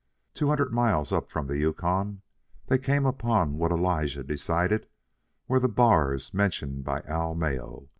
Two hundred miles up from the Yukon, they came upon what Elijah decided were the bars mentioned by Al Mayo.